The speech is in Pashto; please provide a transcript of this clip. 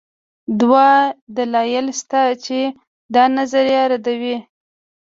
دوه دلایل شته چې دا نظریه ردوي